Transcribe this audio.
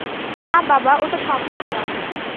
না বাবা, ওটা সম্ভব নয়।